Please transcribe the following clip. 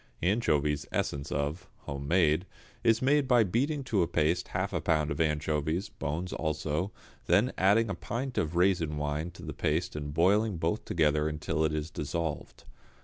=Anchovies, Essence of= (home made), is made by beating to a paste half a pound of anchovies, bones also, then adding a pint of raisin wine to the paste and boiling both together until it is dissolved.